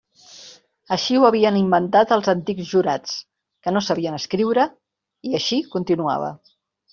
Així ho havien inventat els antics jurats, que no sabien escriure, i així continuava.